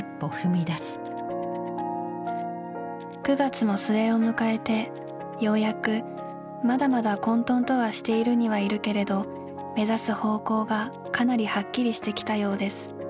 「九月も末をむかえてようやくまだまだ混沌とはしているにはいるけれど目指す方向がかなりはっきりしてきたようです。